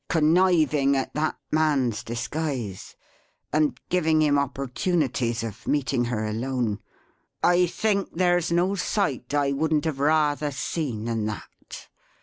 "Conniving at that man's disguise, and giving him opportunities of meeting her alone. I think there's no sight I wouldn't have rather seen than that.